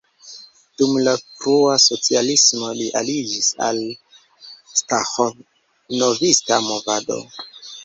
Dum la frua socialismo li aliĝis al staĥanovista movado.